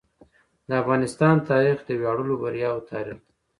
د افغانستان تاریخ د ویاړلو بریاوو تاریخ دی.